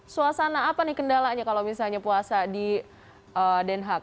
suasana apa nih kendalanya kalau misalnya puasa di den haag